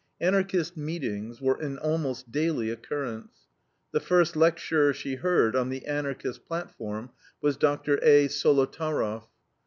Anarchist meetings were an almost daily occurrence. The first lecturer she heard on the Anarchist platform was Dr. A. Solotaroff.